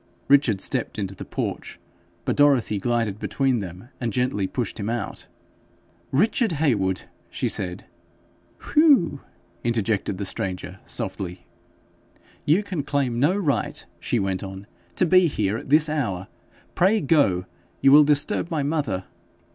Richard stepped into the porch, but Dorothy glided between them, and gently pushed him out. 'Richard Heywood!' she said. 'Whew!' interjected the stranger, softly. 'You can claim no right,' she went on, 'to be here at this hour. Pray go; you will disturb my mother.'